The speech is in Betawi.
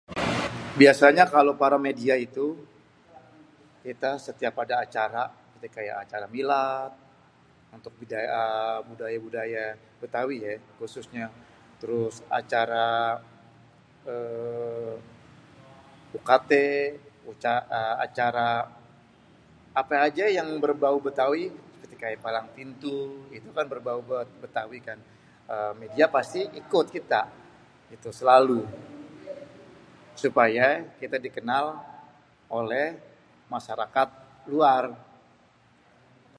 Biasanya kalo para media itu. Kita setiap ada acara seperti kaya acara silat atau budaya-budaya Betawi, khususnya. Terus acara bekate, acara ape aje yang berbau Betawi, palang pintu, itu kan berbau Betawi dia pasti ikut kite, selalu. Supaye kite dikenal oleh masyarakat luar.